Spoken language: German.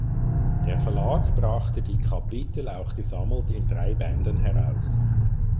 Der Verlag brachte die Kapitel auch gesammelt in drei Bänden heraus.